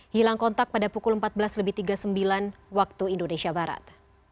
hilang kontak pada pukul empat belas tiga puluh sembilan waktu indonesia barat